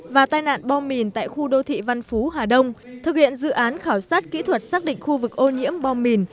và tai nạn bom mìn tại khu đô thị văn phú hà đông thực hiện dự án khảo sát kỹ thuật xác định khu vực ô nhiễm bom mìn